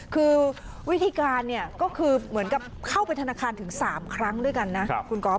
คือวิธีการเนี่ยก็คือเหมือนกับเข้าไปธนาคารถึง๓ครั้งด้วยกันนะคุณก๊อฟ